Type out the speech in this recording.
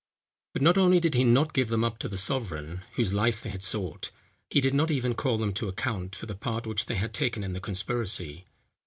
But not only did he not give them up to the sovereign, whose life they had sought; he did not even call them to account for the part which they had taken in the conspiracy.